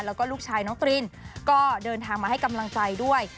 แล้วก็ลูกชายน้องตรินก็เดินทางมาให้กำลังใจด้วย